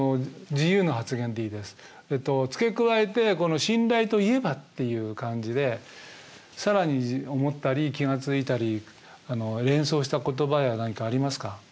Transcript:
付け加えて「信頼といえば」っていう感じで更に思ったり気が付いたり連想した言葉や何かありますか？